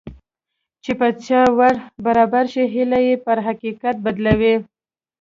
چې په چا ور برابر شي هيلې يې پر حقيقت بدلوي.